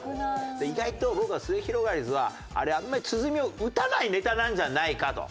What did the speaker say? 意外と僕はすゑひろがりずはあれあんまり鼓を打たないネタなんじゃないかと。